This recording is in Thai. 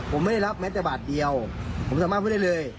ผมไม่ได้รับแม้แต่บาทเดียวผมสามารถพูดได้เลย